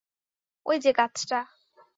ঐ যে গাছটা!